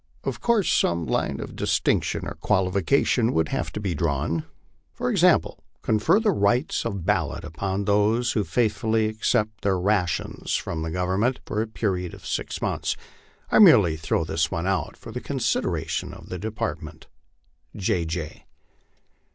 Of course some line of distinction or qualification would have to be drawn; for example, confer the right of ballot upon all those who faithfully accept their rations from the Government for a period of six months. I merely throw this out for the consideration of the Department J. J.